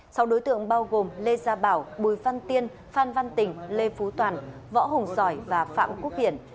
sau đối tượng bao gồm lê gia bảo bùi văn tiên phan văn tỉnh lê phú toàn võ hùng sỏi và phạm quốc hiển